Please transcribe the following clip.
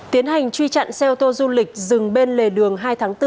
tiến hành truy chặn xe ô tô du lịch dừng bên lề đường hai tháng bốn